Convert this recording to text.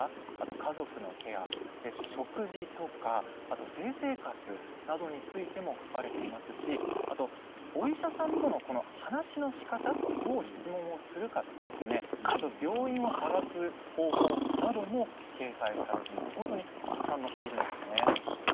家族のケア食事とか性生活などについても書かれていますしお医者さんとの話のしかたどう質問をするのかとか病院を探す方法なども掲載されていてたくさん載っているんですね。